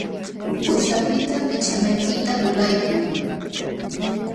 Quśhapiqta pichanaykita lulaykuy.